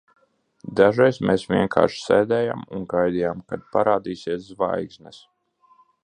Dažreiz mēs vienkārši sēdējām un gaidījām, kad parādīsies zvaigznes.